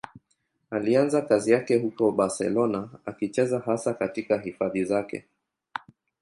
Alianza kazi yake huko Barcelona, akicheza hasa katika hifadhi zake.